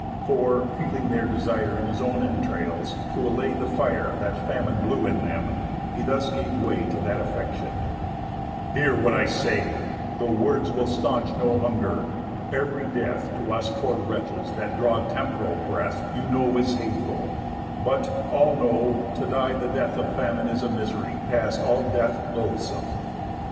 For, feeling their desire In his own entrails, to allay the fire That Famine blew in them, he thus gave way To that affection: 'Hear what I shall say, Though words will staunch no hunger, ev'ry death To us poor wretches that draw temporal breath You know is hateful; but, all know, to die The death of Famine is a misery Past all death loathsome.